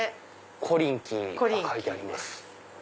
コリンキーって書いてあります。